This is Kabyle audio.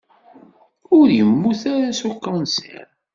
Ur yemmut ara s ukensir.